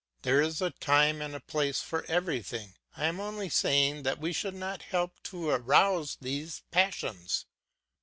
There is a time and place for everything; I am only saying that we should not help to arouse these passions.